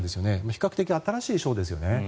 比較的新しい賞ですよね。